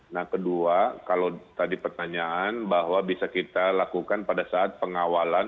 nah kedua kalau tadi pertanyaan bahwa bisa kita lakukan pada saat pengawalan